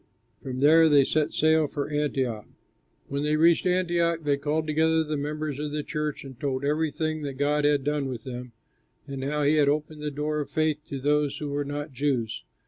From there they set sail for Antioch. When they reached Antioch, they called together the members of the church and told everything that God had done with them, and how he had opened the door of faith to those who were not Jews.